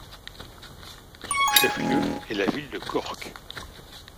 Son chef-lieu est la ville de Corque.